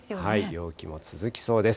陽気も続きそうです。